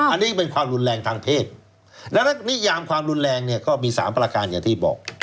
อันนี้เป็นความรุนแรงทางเพศดังนั้นนิยามความรุนแรงเนี่ยก็มี๓ประการอย่างที่บอก